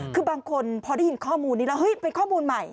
คือบางคนพอได้ยินข้อมูลนี้แล้วเฮ้ยเป็นข้อมูลใหม่